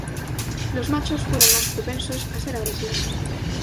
Los machos fueron más propensos a ser agresivos.